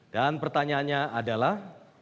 dan pertanyaannya adalah